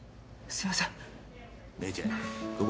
すいません！